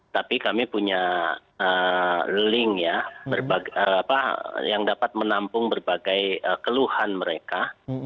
tapi kami punya link ya yang dapat menampung berbagai keluhan mereka